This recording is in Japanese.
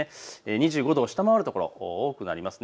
２５度を下回る所が多くなります。